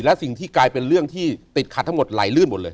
และสิ่งที่กลายเป็นเรื่องที่ติดขัดทั้งหมดไหลลื่นหมดเลย